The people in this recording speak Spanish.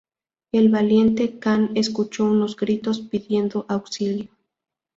El valiente can escuchó unos gritos pidiendo auxilio.